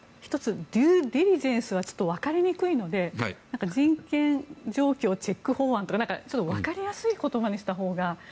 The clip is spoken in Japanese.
１つデューデリジェンスはちょっと分かりにくいので人権状況チェック法案とか分かりやすい言葉にしたほうが。